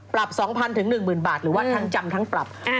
๒๐๐๑๐๐บาทหรือว่าทั้งจำทั้งปรับ